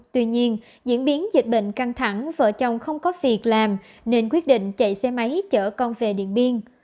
tuy nhiên diễn biến dịch bệnh căng thẳng vợ chồng không có việc làm nên quyết định chạy xe máy chở con về điện biên